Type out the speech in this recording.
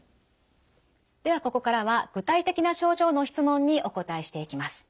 ではここからは具体的な症状の質問にお答えしていきます。